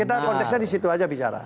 jadi kita konteksnya di situ saja bicara